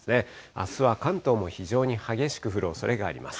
あすは関東も非常に激しく降るおそれがあります。